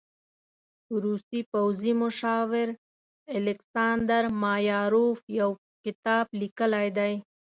روسي پوځي مشاور الکساندر مایاروف يو کتاب لیکلی دی.